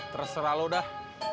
terserah lo dah